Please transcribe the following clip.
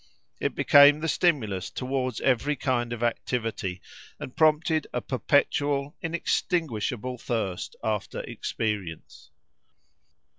It became the stimulus towards every kind of activity, and prompted a perpetual, inextinguishable thirst after experience.